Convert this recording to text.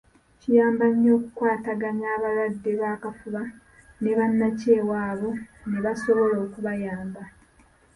Kiyamba nnyo okukwataganya abalwadde b’akafuba ne bannakyewa abo ne basobola okubayamba.